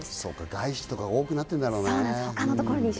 外資とか多くなっているんだろうな。